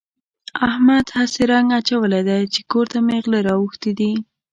احمد هسې رنګ اچولی دی چې کور ته مې غله راوښتي دي.